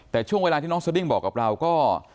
แต่ช่วงเวลาที่น้องสดิ้งบอกกับเราก็